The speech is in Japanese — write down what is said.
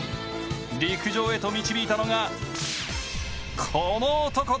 陸上へと導いたのが、この男だ。